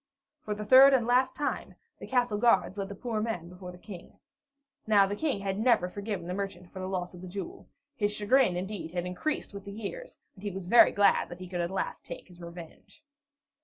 For the third and last time, the castle guards led the poor man before the King. Now the King had never forgiven the merchant for the loss of the jewel; his chagrin, indeed, had increased with the years, and he was very glad that he could at last take his revenge.